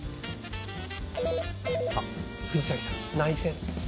あっ藤崎さん内線。